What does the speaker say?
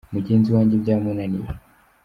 Mugenzi wanjye byamunaniye.